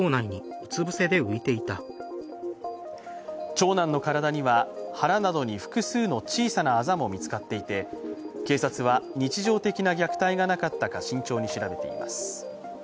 長男の体には腹などに複数の小さなあざも見つかっていて、警察は、日常的な虐待がなかったか慎重に調べています。